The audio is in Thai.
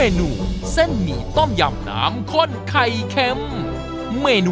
หนูกลับบ้านก่อนได้มั้ย